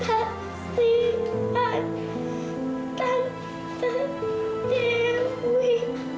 kasihan tantang dewi